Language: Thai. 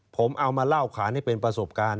ผมเอามาเล่าขานให้เป็นประสบการณ์